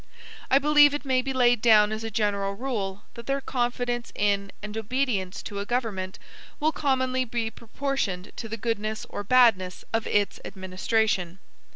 I believe it may be laid down as a general rule that their confidence in and obedience to a government will commonly be proportioned to the goodness or badness of its administration.